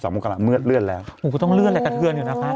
มงกราเมื่อเลื่อนแล้วโอ้โหต้องเลื่อนอะไรกระเทือนอยู่นะคะ